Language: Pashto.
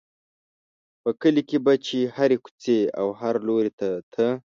په کلي کې به چې هرې کوڅې او هر لوري ته ته.